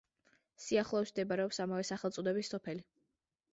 სიახლოვეს მდებარეობს ამავე სახელწოდების სოფელი.